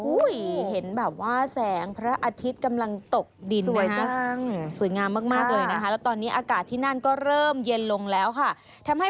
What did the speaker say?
อุ้ยเห็นแบบว่าแสงพระอาทิตย์กำลังตกดินนะคะ